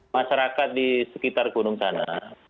masyarakat di sekitar gunung sana